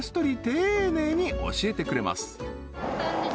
丁寧に教えてくれます